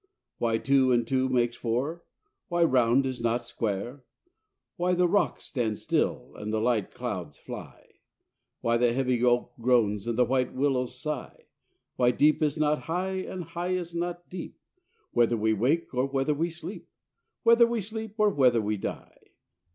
Why two and two make four? Why round is not square? Why the rocks stand still, and the light clouds fly? Why the heavy oak groans, and the white willows sigh? Why deep is not high, and high is not deep? Whether we wake or whether we sleep? Whether we sleep or whether we die?